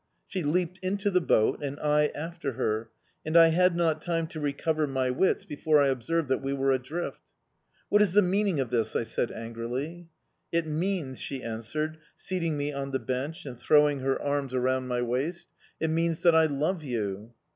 She leaped into the boat, and I after her; and I had not time to recover my wits before I observed that we were adrift. "What is the meaning of this?" I said angrily. "It means," she answered, seating me on the bench and throwing her arms around my waist, "it means that I love you!"...